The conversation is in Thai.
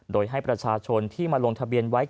โดยให้ประชาชนที่มาลงทะเบียนไว้